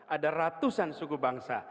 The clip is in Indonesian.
ada ratusan suku bangsa